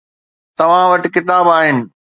توهان وٽ ڪتاب آهن.